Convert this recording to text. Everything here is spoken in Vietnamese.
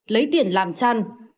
lấy tiền làm chăn